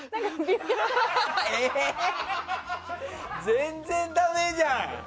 全然だめじゃん！